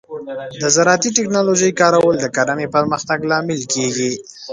د زراعتي ټیکنالوجۍ کارول د کرنې پرمختګ لامل کیږي.